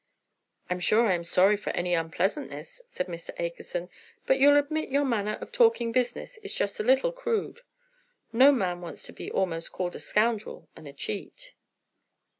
"I'm sure I am sorry for any unpleasantness," said Mr. Akerson, "but you'll admit your manner of talking business is just a little crude. No man wants to be almost called a scoundrel and a cheat."